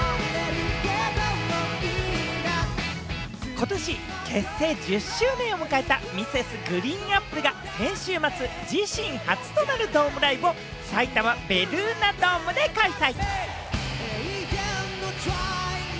ことし結成１０周年を迎えたＭｒｓ．ＧＲＥＥＮＡＰＰＬＥが先週末、自身初となるドームライブを、さいたまベルーナドームで開催。